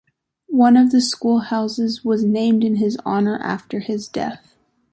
One of the schoolhouses was named in his honour after his death.